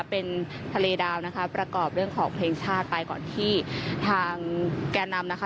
เป็นทะเลดาวนะคะประกอบเรื่องของเพลงชาติไปก่อนที่ทางแก่นำนะคะ